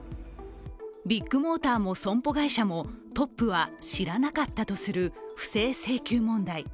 ビッグモーターも損保会社もトップは知らなかったとする不正請求問題。